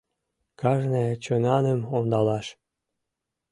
Кажне чонаным ондалаш.